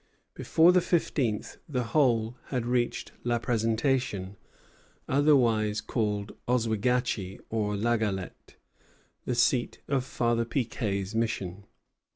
Before the fifteenth the whole had reached La Présentation, otherwise called Oswegatchie or La Galette, the seat of Father Piquet's mission.